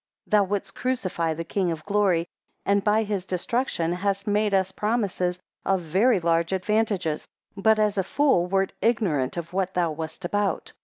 2 Thou wouldst crucify the King of Glory, and by his destruction, hast made us promises of very large advantages, but as a fool wert ignorant of what thou wast about.